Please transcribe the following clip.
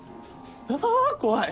あぁ怖い！